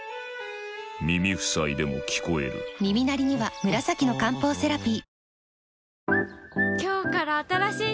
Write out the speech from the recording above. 耳塞いでも聞こえる耳鳴りには紫の漢方セラピー